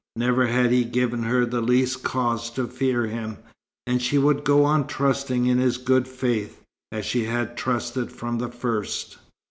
Never had he given her the least cause to fear him, and she would go on trusting in his good faith, as she had trusted from the first.